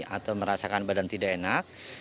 atau merasakan badan tidak enak